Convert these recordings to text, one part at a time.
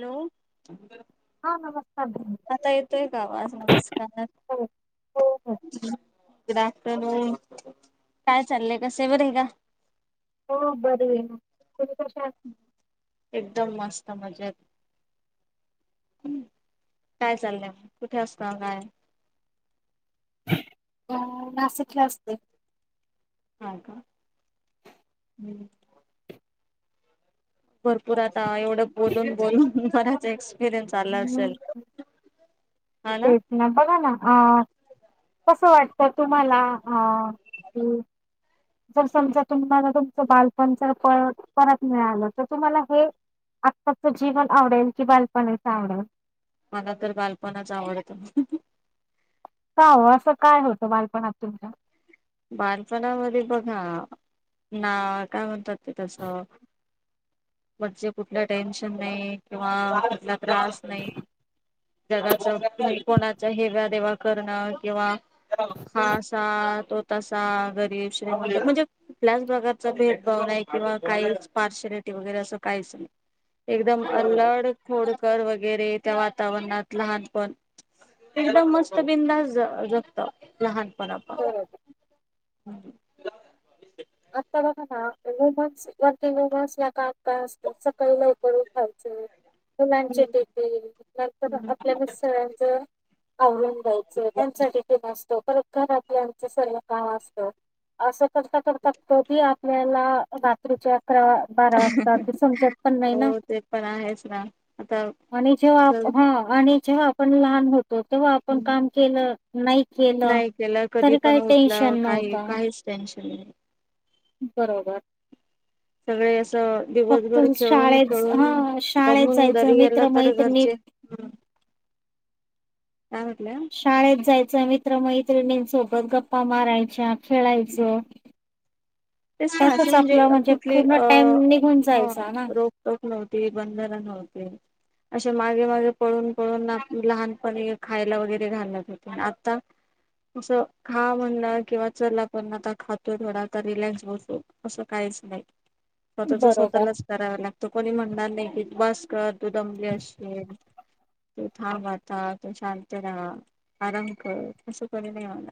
Hello [unintelligible] हा नमस्कार बहिणी. आता येतोय का आवाज? नमस्कार. हो हो हो गुड आफ्टरनून -काय चाललंय... कसं ए... बरंय का? हो... बरी ए मी... तुम्ही कशा आहात? एकदम मस्त, मजेत. हमं काय चाललंय म कुठे असता काय? अ नाशिकला असते. हा का? [inaudible] भरपूर आता एवढं बोलून बोलून बराच रयनस आला हम्म असेल. तेच ना. बघ ना. अ कसं वाटतं तुम्हाला. अ जर समजा तुम्हाला तुमचं बालपण जर पर परत मिळालं. तर तुम्हाला हे आत्ताचं जीवन आवडेल. कि बालपणीच आवडेल. मला तर बालपणच आवडत. का हो असं काय होतं बालपणात तुमच्या बाणपणामध्ये बघा ना काय म्हणतात ते तस म्हणजे कुठलं टेन्शन नाही किंवा कुठला त्रास नाही. जगाच्या कोणाच्या हेव्या देवा करणं किंवा हा स तो तसा गरीब श्रीमंत म्हणजे कुठल्याच प्रकारचा भेदभाव नाही किंवा काहीच पारश र अस काही नाही एक बरोबर अड कर वगैरे त्या वातावरणात लहानपण एकदम मस्त बिंदाास जगत लहानपणापण बरोबर आता बघा ना रुमन्स वरती रुमन्स या काळ काय असतं सकाळी लवकर उठायच [inaudible] मुलांची टेर आपल्या सळांचं आवरवरून जा्यायचं त्यांच्यासाठी ते मस्तो घरातच सग काम असत अस कर तती आपल्याला रात्रीच्या अकरा बारा वाजता ते समजत पण नाही ना. हो ते पण आहेच ना. आता आणि जेव्हा चल हा आणि जेव्हा आपण लहान होत. तेव्हा आपण काम केलं नाही केलं नाही केलं कधी तरी काही टेन्शन नव्हत. ह्. बरोबर. [inaudible] सगळे असं फक्त दिवसभर खेळून शाळेत खेळून हा शाळेत दमून जायचं जरी गेलं तर मित्रमैत्रिणी घरचे हम्म. शाळेत जायच मित्रमैत्रिणींसोबत गप्पा मारायच्या खेळायच तेच सासू म्हणजे कुठली पूर्ण अ टाइम निघून ह जायचा ना रोखटोक नव्हती बंधनं नव्हती. [inaudible] असे मागे मागे पळून पळून लहानपणी खायला वगैरे घालत होते आता असं खा म्हण किंवा चला पण आता खातोय थोडा रिलॅक्स अस काहीच नाही स्वतःच बरोबर स्वतःलाच करावा लागतं कोणी म्हणणार नाही की वास्कर तु दंबली असशे तू थांबता तू शांत राहा आरंख असं क नाही मला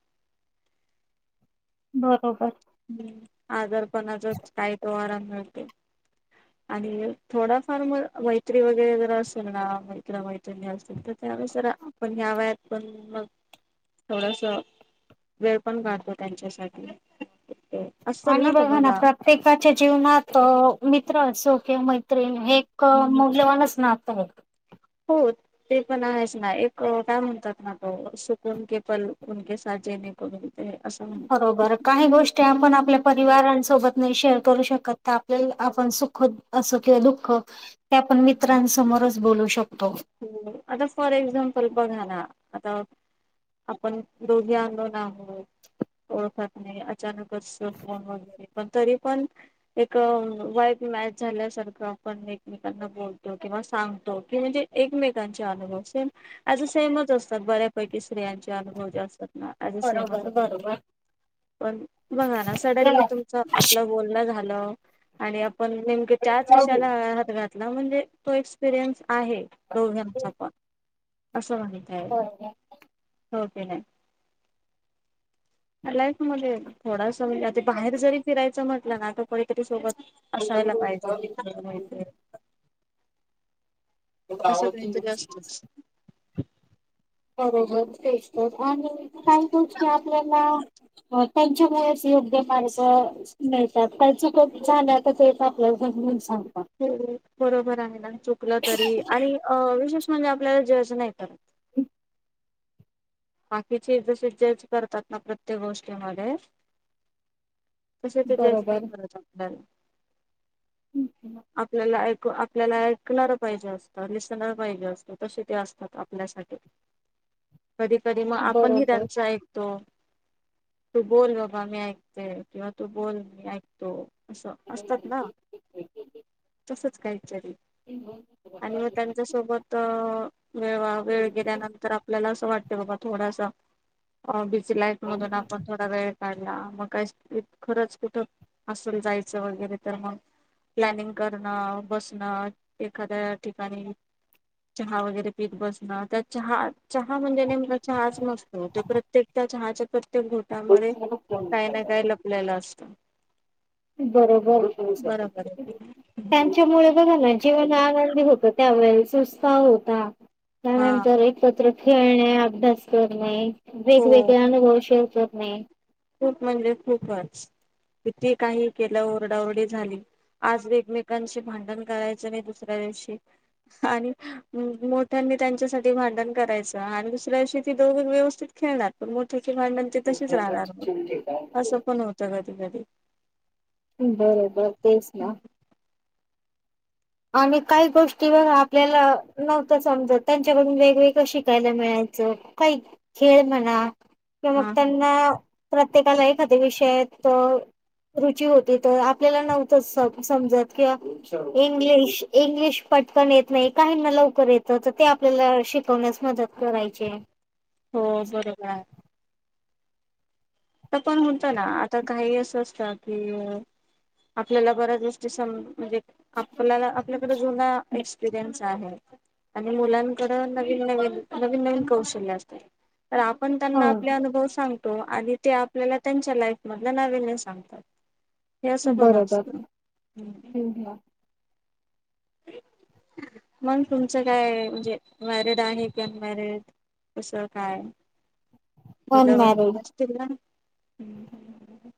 बरोबर. हम् आजारपणाचा काही तोहारा मिळते. आणि थोडाफार म मैत्री वगैरे जर असेल ना मैत्र मैत्रिणी असतील तर त्यावेसर आपण या्यावयात पण मग थोडस वेळ पण काढतो त्यांच्यासाठी ते असल आणि बघा ना तुम्हाला प्रत्येकाच्या जीवनात मित्र असो किंवा मैत्रीण हे मोगलेवानच ना आता. हो ते पण आहेच ना एक काय म्हणतात ना तो सुकून के पलकून के साठ जणे करून. ते असं म्हणतात बरोबर काही गोष्टी आपण आपल्या परिवारांसोबत. नाही शेअर करू शकत, आपल्या आपण सुख असं किंवा दुःख. आपण मित्रांसमोरच बोलू शकतो आता फॉर एक्झामपल बघा ना. आता आपण दोघी आंदोलन आहोत. ओळखत नाही अचानकच फोन वगैरे पण, तरी पण एक वाईब. ॅ मॅच झाल्यासारखं आपण एकमे बतो किंवा सांगतो की म्हणजे, एकमेकांचे अनुभव सेम ज सेमच असतात बऱ्यापैकी. स्त्रियांचे अनुभव जे असतात ना ज सेमच बरोबर असत. बरोबर पण बघा ना सडनली तुमचं आपलं बोलणं झालं. आणि आपण नेमक त्याच बरोबर विषयाला हात घातला, म्हणजे तो एक्सपिरियन्स आहे दोघांचा पण असं माहित आहे. हो की नाय? लाईफ मध्ये थोडास म्हणजे आता बाहेर जरी फिरायचं म्हटलं ना आता कोणीतरी सोबत असायला पाहिजे, [unintelligible] असं काहीतरी असतच. [unintelligible] बरोबर, तेच तर आणि काय गोष्टी आपल्याला त्यांच्यामुळेच योग्य मार्ग मिळतात काही चुक झाल्या तर ते आपल्या [unintelligible] हो बरोबर आहे ना, चुकलं तरी आणि अ विशेष म्हणजे आपल्याला जज नाही करत. बाकीचे जसे जज करतात ना प्रत्येक गोष्टी मध्ये तशे ते जज नाही बरोबर करत आपल्याला. आपल्याला अ क् आपल्याला ऐकणार पाहिजे असतं, लिसनर पाहिजे असतं तसे ते असतात आपल्यासाठी. कधी कधी मग आपण ही बरोबर त्यांचं ऐकतो. तू बोल बाबा मी ऐकते किंवा तू बोल मी ऐकतो. असं, असतात ना तसंच काय तरी आणि मग त्यांच्या सोबत अ वेळ वेळ गेल्यानंतर आपल्याला असं वाटते बाबा थोडं असं अ बी जी लाईफ मधून आपण थोडा वेळ काढला, मग काय खरंच कुठं असल जायचं वगैरे तर मग प्लॅनिंग करणं, बसणं एखाद्या ठिकाणी चहा वगैरे पीत बसणं तर चहा चहा म्हणजे नेम क चहाच नसतो, त्यो प्रत्येक चहाच्या तेक घोटामध्ये काय ना काय लपलेलं असतं. बरोबर [unintelligible] बरोबर आहे त्यांच्यामुळे बघालाय. जीवन आनंदी होत, त्यावेळे सुस्ता होता, हा त्यानंतर एकत्र खेळणे अभ्यास करणे, हो वेगवेगळे अनुभवशील करणे. खूप म्हणजे खूपच किती काही केलं, ओरडाओरडी झाली आज एकमेकांशी भांडण करायच नाही, दुसऱ्या दिवशी आणि मोठ्या त्यांच्यासाठी भांडण करायच, आणि दुसऱ्या दिवशी व्यवस्थित खेळणार पण मोठी ते भांडण ते तशीच राहणार, म असं पण होत कधी कधी. बरोबर तेच ना. आणि काही गोष्टी बघा आपल्याला नव्हत्या समजत, त्यांच्याकडून वेगवेगळं शिकायला मिळा यचं काही खेळ म्हणा कि, मग हा त्यांना प्रत्येकाला एखादी विषय आहेत तो रुची होती, तर आपल्याला नव्हत समजत किंवा एक इंग्लिश पटकन येत नाही, काहींना लवकर येत तर ते आपल्याला शिकवण्यास मदत कर करायचे. हो, बरोबर आहे. तर पण होत ना, आता काही असं असत कि आपल्याला बऱ्याच गोष्टी सम- म्हणजे आपल्याला आपल्याकडे जुना एक्सपिरियन्स आहे आणि मुलांकड नवीन नवीन नवीन नवीन कौशल्य असतात. तर आपण त्यांना आपले हो अनुभव सांगतो आणि ते आपल्याला त्यांच्या लाईफमधला नविनेस सांगतात. हे असं पण बरोबर असतं हम. हम्म. मग तुमचं काय म्हणजे, मॅरिड आहे कि अनमॅरिड? कसं काय मुलं वगैरे अनमॅरिड असतील ना? ह ह ह.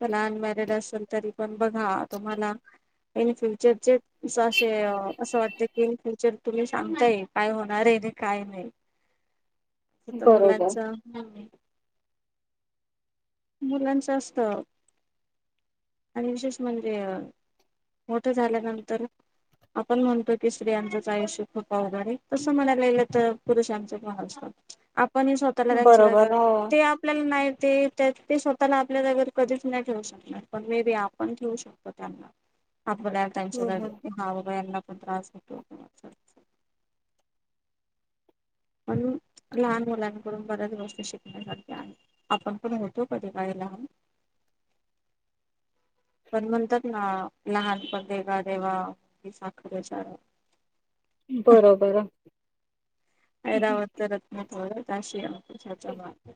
पण अनमॅरिड असल तरी पण बघा तुम्हाला इन फ्युचर जे असे असं वाटते की फ्युचर तुम्ही सांगताय काय होणार आहे आणि काय नाही. हित बरोबर मुलांच. मुलांचं असत. आणि विशेष म्हणजे मोठं झाल्यानंतर? आपण म्हणतो की स्त्रयांचंच आयुष्य खूप आवघ आहे तसं म्हणायला गेलं तर पुरुशांच भाव अस. पण हे स्वतःला त्यांच बरोबर जागेवर हो ते आपल्याला नाही. ते ते स्वतःला आपल्या जाग्यावर कधीच नाही ठेवू नाही शकणार पण मे बी आपण ठेव शकतो त्यांना. आपल्या त्यांच्या हम्म. जागी हा बाबा ह्यना खूप त्रास होतो. म्हणून लहान मुलांकडून बऱ्याच गोष्टी शिकण्यासारख्या आपण पण होतो कधी बाहेर. [unintelligible] पण म्हणतात ना लहानपण देगा देवा मुंगी साखरेचा रवा. बरोबर आहे. ऐरावत [unintelligible] माग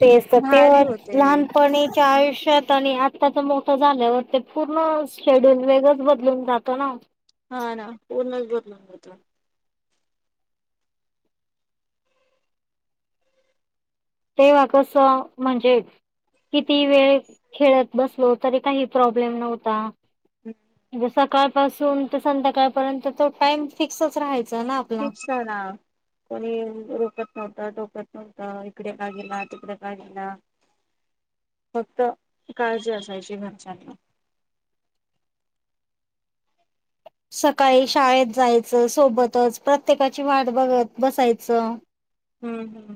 तेच तर भारी तेव्हा होते. लहानपणीच्या आयुष्यात आणि आता त्याच मोठं झाल्यावर ते पूर्ण शेड्यूल वेगच बदलून जात ना? ह ना पूर्णच बदलून जात. तेव्हा कसं म्हणजे? किती वेळ खेळत बसलो तरी काही प्रॉब्लेम नव्हता? सकाळ पासून तर संध्याकाळपर्यंत तो टाइम फिक्सच राहायचा. ना आपला. फीक्स ना कोणी रोकत नव्हत टोकात हो तर इकडे का गेला तिकडे का गेला. फक्त काळजी असायची घरच्यांना. सकाळी शाळेत जायचं सोबतच प्रत्येकाची वाट बघत बसायचं? हम्म हम्म.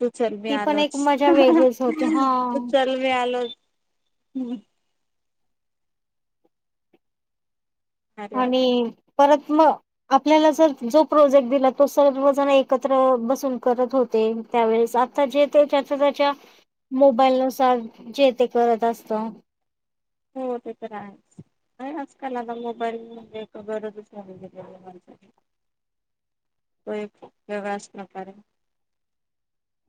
तू चल मी ती पण एक आलोच मजा हा हन वेगळीच होती हा तू चल मी आलोच. हम्म. भारी वाट आणि? परत मग आपल्याला जर जो प्रोजेक्ट दिला तो सर्वजण एकत्र बसून करत होते. त्यावेळेस आता जे त्याच्यात स्वत्याच्या मोबाईल नुसार जे ते करत असत. हो ते तर आहेच. होय आजकाल आता मोबाईल म्हणजे एक गरजचं लागलीय मोबाईलसाठी तो एक वेगळाच प्रकार आहे.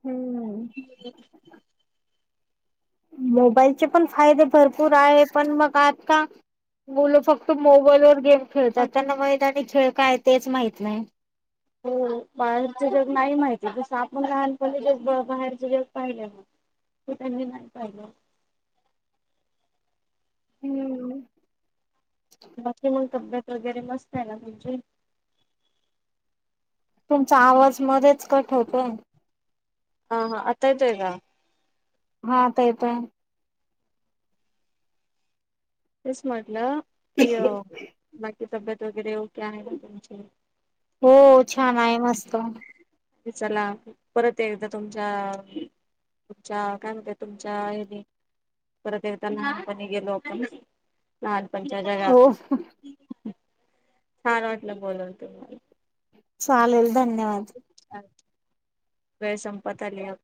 हम्म. मोबाईलचे पण फायदे भरपूर आहे पण मग आज का? मुलं फक्त मोबाईल वर गेम खेळतात त्यांना मग त्यांनी खेळ काय तेच माहित नाही. हो बाहेरचे जग नाही माहिती जस आपण लहानपणी ज बाहेरचे जग पाहिले ना? ते त्यांनी नाही पाहिलं? हम्म. बाकी मग तब्येत वगैरे मस्त आहे ना तुमची? तुमचा आवाज मध्येच कट होतोय. हा हा आत्ता येतो हे का.? हा आत्ता येतो है. तेच म्हटलं की अ बाकी तब्येत वगैरे ओक आहे का तुमची. हो छान आहे मस्त. चला, परत एकदा तुमच्याआ तुमच्या काय म्हणत तुमच्या हे परत एकदा लहानपणी गेलो आपण. लहानपणच्या हो जगात. छान वाटलं बोलल तुम्हाला. चालेल, धन्यवाद! वेळ संपत आली आपली.